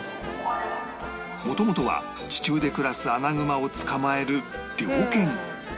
元々は地中で暮らすアナグマを捕まえる猟犬